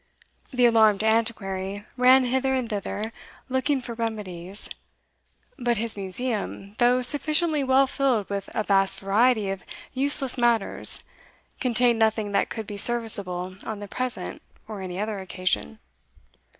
The alarmed Antiquary ran hither and thither looking for remedies; but his museum, though sufficiently well filled with a vast variety of useless matters, contained nothing that could be serviceable on the present or any other occasion.